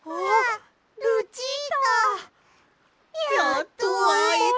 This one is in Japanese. やっとあえた！